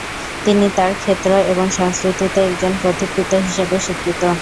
তিনি তার ক্ষেত্র এবং সংস্কৃতিতে একজন পথিকৃৎ হিসেবে স্বীকৃত।